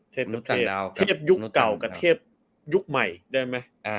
เทพยุคเก่ากับเทพยุคใหม่ได้ไหม